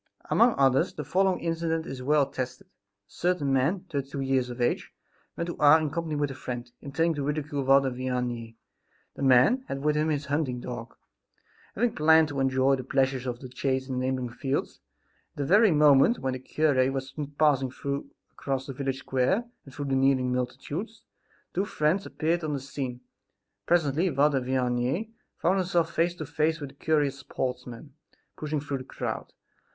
Among others the following incident is well attested. A certain man, thirty two; years of age, went to Ars in company with a friend, intending to ridicule Father Vianney. The man had with him his hunting dog, having planned to enjoy the pleasures of the chase in the neighboring fields. At the very moment when the cure was passing across the village square and through the kneeling multitudes, the two friends appeared on the scene. Presently Father Vianney found himself face to face with the curious sportsman pushing through the crowd.